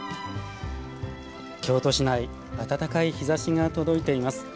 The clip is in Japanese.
京都市内暖かい日ざしが届いています。